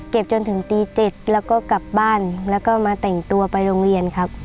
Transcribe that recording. จนถึงตี๗แล้วก็กลับบ้านแล้วก็มาแต่งตัวไปโรงเรียนครับ